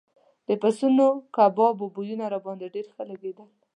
د پسونو کبابو بویونه راباندې ډېر ښه لګېدل.